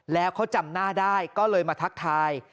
แล้วเขาจำหน้าได้ก็เลยมาทักทาย